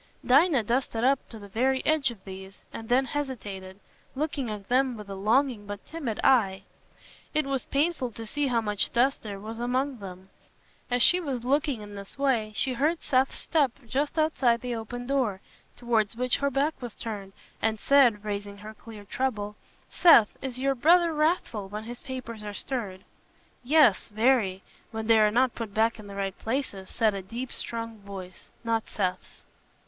Dinah dusted up to the very edge of these and then hesitated, looking at them with a longing but timid eye. It was painful to see how much dust there was among them. As she was looking in this way, she heard Seth's step just outside the open door, towards which her back was turned, and said, raising her clear treble, "Seth, is your brother wrathful when his papers are stirred?" "Yes, very, when they are not put back in the right places," said a deep strong voice, not Seth's.